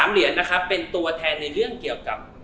เหรียญนะครับเป็นตัวแทนในเรื่องเกี่ยวกับ